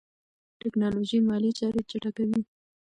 ټیکنالوژي مالي چارې چټکوي.